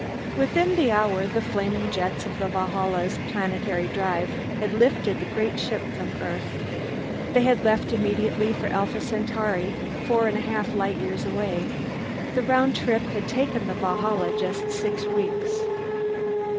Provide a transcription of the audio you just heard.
Within the hour the flaming jets of the Valhalla's planetary drive had lifted the great ship from Earth. They had left immediately for Alpha Centauri, four and a half light years away. The round trip had taken the Valhalla just six weeks.